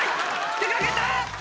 出かけた！